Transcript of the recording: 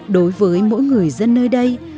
đối với mỗi người dân nơi đây